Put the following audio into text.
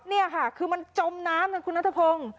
นี่ค่ะคือมันจมน้ำนะคุณนัทพงศ์